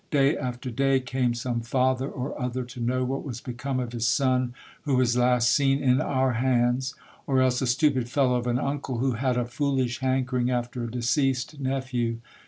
Day after day came some father or other to know what was become of his son, who was last seen in our hands ; or else a stupid fellow of an uncle, who had a foolish hankering after a deceased nephew.